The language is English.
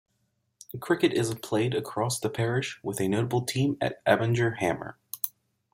Cricket is played across the parish, with a notable team at Abinger Hammer.